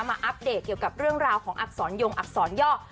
อัปเดตเกี่ยวกับเรื่องราวของอักษรยงอักษรย่อ